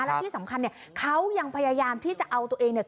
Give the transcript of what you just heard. และที่สำคัญเนี่ยเขายังพยายามที่จะเอาตัวเองเนี่ย